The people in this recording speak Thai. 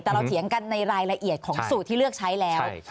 แต่เราเถียงกันในรายละเอียดของสูตรที่เลือกใช้แล้ว